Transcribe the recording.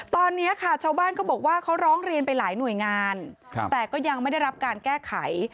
ตอนนี้ค่ะชาวบ้านเขาบอกว่าเขาร้องเรียนไปหลายหน่วยงานแต่ก็ยังไม่ได้รับการแก้ไข